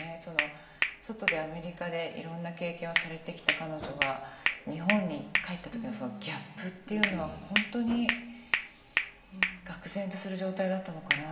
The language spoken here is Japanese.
外でアメリカでいろんな経験をされてきた彼女が日本に帰った時のそのギャップっていうのは本当にがく然とする状態だったのかなと。